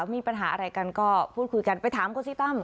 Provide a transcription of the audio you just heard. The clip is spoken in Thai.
มีปัญหาอะไรกันก็พูดคุยกันไปถามคนที่ตั้ม